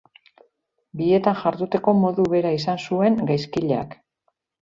Bietan jarduteko modu bera izan zuen gaizkileak.